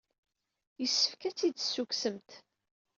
Yessefk ad tt-id-tessukksemt.